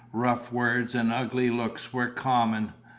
Rough words and ugly looks were common.